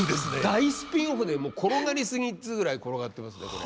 大スピンオフで転がり過ぎっつうぐらい転がってますねこれ。